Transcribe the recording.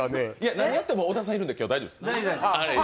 何やっても、小田さんいるんで大丈夫です。